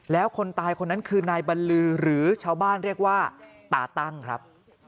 แล้วคนตายคนนั้นคือนายบรรลือหรือชาวบ้านเรียกว่าตาตั้งครับ